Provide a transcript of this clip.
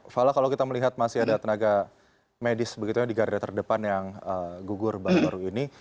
fala kalau kita melihat masih ada tenaga medis begitu ya di garda terdepan yang gugur baru baru ini